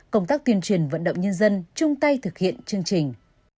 công tác tuyên truyền vận động nhân dân chung tay thực hiện chương trình